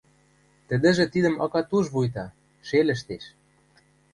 Тӹдӹжӹ тидӹм акат уж вуйта, шелӹштеш: